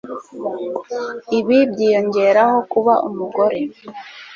Ibi byiyongeraho kuba umugore